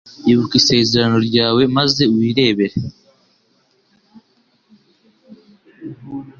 Ibuka Isezerano ryawe maze wirebere